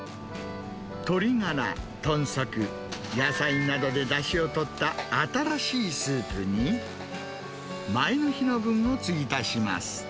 鶏ガラ、豚足、野菜などでだしをとった新しいスープに前の日の分をつぎ足します。